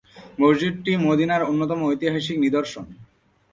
মসজিদটি মদীনার অন্যতম ঐতিহাসিক নিদর্শন।